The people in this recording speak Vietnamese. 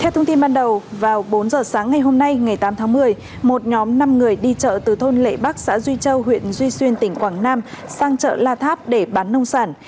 theo thông tin ban đầu vào bốn giờ sáng ngày hôm nay ngày tám tháng một mươi một nhóm năm người đi chợ từ thôn lệ bắc xã duy châu huyện duy xuyên tỉnh quảng nam sang chợ la tháp để bán nông sản